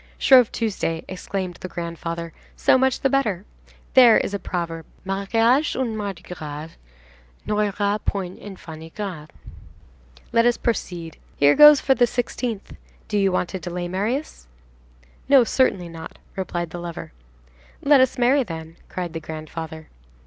"Shrove Tuesday!" exclaimed the grandfather, "so much the better. There is a proverb: "'Mariage un Mardi gras N'aura point enfants ingrats.'66 Let us proceed. Here goes for the 16th! Do you want to delay, Marius?" "No, certainly not!" replied the lover. "Let us marry, then," cried the grandfather.